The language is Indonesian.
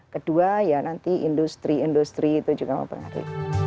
kedua ya nanti industri industri itu juga mempengaruhi